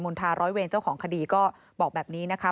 จับรวจเอกสหชัยมณฑาร้อยเวงเจ้าของคดีก็บอกแบบนี้นะคะ